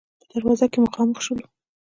په دروازه کې مخامخ شولو.